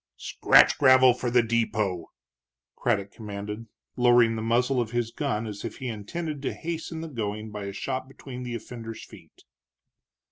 "Scratch gravel for the depot!" Craddock commanded, lowering the muzzle of his gun as if he intended to hasten the going by a shot between the offender's feet.